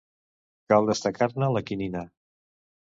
Cal destacar-ne la quinina.